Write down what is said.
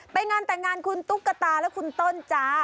ไปงานแต่งงานคุณตุ๊กตาและคุณต้นจ้า